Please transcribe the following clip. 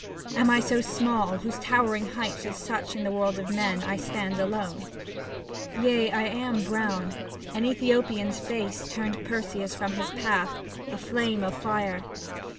Am I so small, whose towering height is such That in the world of men I stand alone? Yea, I am brown — an Ethiopian's face Turned Perseus from his path, a flame of fire.